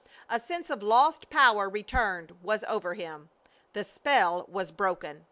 A sense of lost power returned, was over him. The spell was broken.